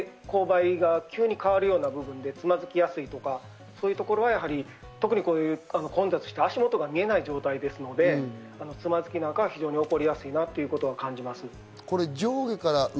今あったように、こう配が急に変わるような部分でつまずきやすいとか、そういうところは特に混雑した足元が見えない状態ですので、つまずきなどは起こりやすいなと感じます。